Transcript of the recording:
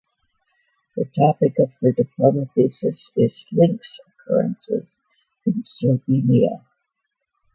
The topic of her diploma thesis is lynx occurrences in Slovenia.